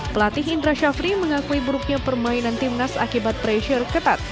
pelatih indra syafri mengakui buruknya permainan timnas akibat pressure ketat